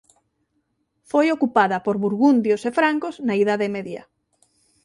Foi ocupada por burgundios e francos na Idade Media.